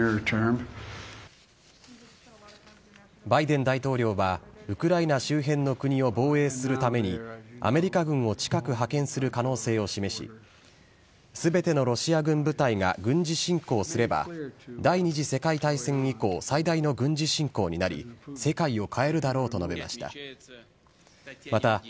バイデン大統領は、ウクライナ周辺の国を防衛するために、アメリカ軍を近く派遣する可能性を示し、すべてのロシア軍部隊が軍事侵攻すれば、第２次世界大戦以降、最大の軍事侵攻になり、世界を変えるだろうと述べました。